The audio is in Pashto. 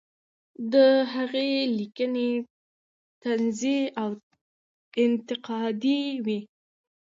د هغې لیکنې طنزي او انتقادي وې.